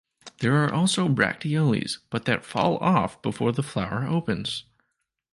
There are also bracteoles but that fall off before the flower opens.